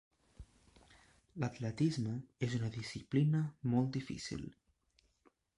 L'atletisme és una disciplina molt difícil.